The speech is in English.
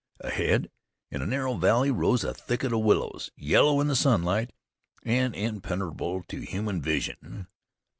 Ahead, in a narrow valley, rose a thicket of willows, yellow in the sunlight, and impenetrable to human vision.